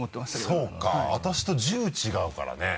そうか私と１０違うからね。